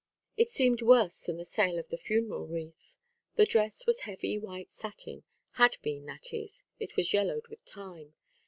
It seemed worse than the sale of the funeral wreath. The dress was heavy white satin had been, that is; it was yellowed with time.